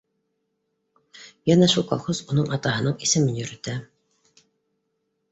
Йәнә шул, колхоз уның атаһының исемен йөрөтә